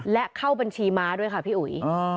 และเข้าบัญชีม้าด้วยค่ะพี่อุ๋ย